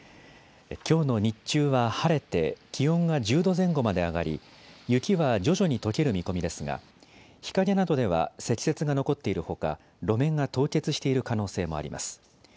きょうの日中は晴れて気温が１０度前後まで上がり雪は徐々にとける見込みですが日陰などでは積雪が残っているほか、路面が凍結している可能性もあります。